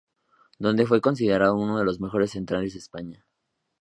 Donde fue considerado uno de los mejores centrales de España.